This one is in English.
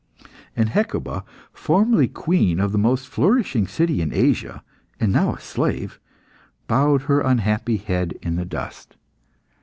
And Hecuba, formerly queen of the most flourishing city in Asia, and now a slave, bowed her unhappy head in the dust.